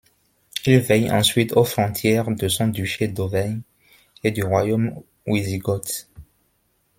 Il veille ensuite aux frontières de son duché d’Auvergne et du Royaume Wisigoth.